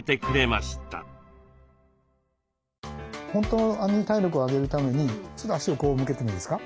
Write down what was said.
本当に体力を上げるためにちょっと足をこう向けてもいいですか？